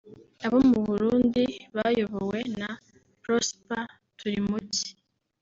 abo mu Burundi bayobowe na Prosper Turimuki